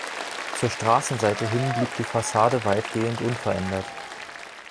Zur Straßenseite hin blieb die Fassade weitgehend unverändert.